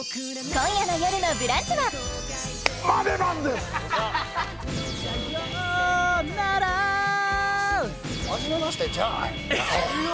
今夜の「よるのブランチ」はさようならはじめましてじゃないよ